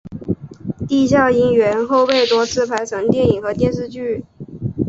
啼笑因缘后被多次拍成电影和电视剧。